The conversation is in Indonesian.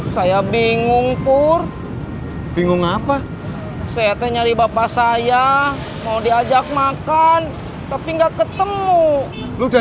saya bingung pur bingung apa saya teh nyari bapak saya mau diajak makan tapi nggak ketemu lu udah